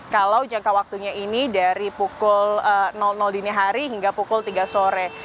kalau jangka waktunya ini dari pukul dini hari hingga pukul tiga sore